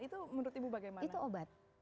itu menurut ibu bagaimana